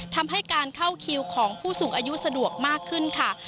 ทำให้การเข้าคิวของผู้สูงอายุสะดวกมากขึ้นค่ะ